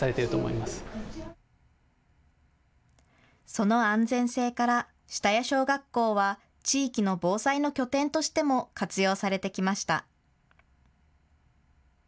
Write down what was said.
その安全性から下谷小学校は地域の防災の拠点としても活用されてきました。